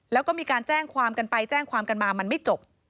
แล้วก็มีการแจ้งความกันไปแจ้งความกันมามันไม่จบ